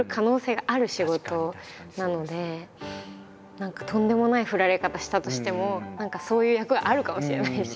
何かとんでもない振られ方したとしても何かそういう役があるかもしれないし。